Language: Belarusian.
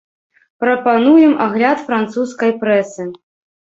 Прапануем агляд французскай прэсы.